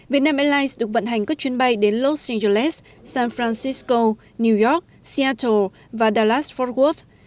việt nam airlines được vận hành các chuyến bay đến los angeles san francisco new york seattle và dallas fort worth